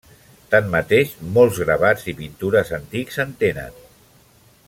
Tanmateix, molts gravats i pintures antics en tenen.